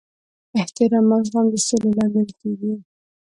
احترام او زغم د سولې لامل کیږي.